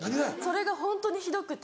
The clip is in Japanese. それがホントにひどくて。